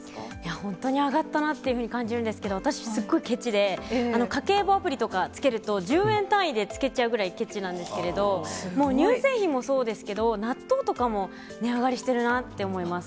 本当に上がったなっていうふうに感じるんですけど、私、すっごいケチで、家計簿アプリとかつけると、１０円単位でつけちゃうぐらいケチなんですけど、もう乳製品もそうですけど、納豆とかも値上がりしてるなって思います。